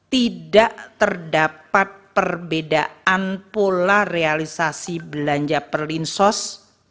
tidak terdapat perbedaan pola realisasi belanja perlinsos